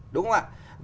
đúng không ạ